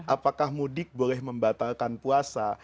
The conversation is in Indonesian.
apakah mudik boleh membatalkan puasa